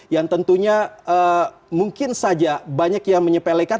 yang tentunya mungkin saja banyak yang menyepelekan